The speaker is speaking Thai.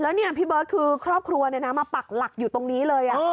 แล้วเนี่ยพี่เบิร์ตคือครอบครัวมาปักหลักอยู่ตรงนี้เลย